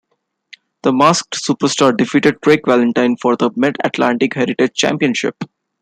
The Masked Superstar defeated Greg Valentine for the Mid-Atlantic Heritage Championship.